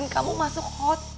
tante kamu harus berhati hati